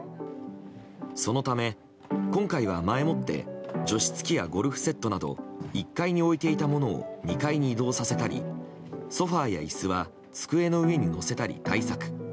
そのため、今回は前もって除湿器やゴルフセットなど１階に置いていたものを２階に移動させたりソファや椅子は机の上に載せたり対策。